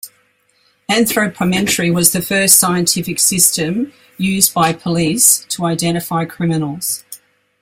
Anthropometry was the first scientific system used by police to identify criminals.